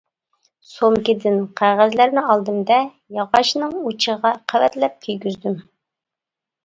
سومكىدىن قەغەزلەرنى ئالدىم-دە، ياغاچنىڭ ئۇچىغا قەۋەتلەپ كىيگۈزدۈم.